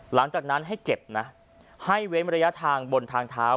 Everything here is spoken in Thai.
หลังจากนั้นให้เก็บนะให้เว้นระยะทางบนทางเท้า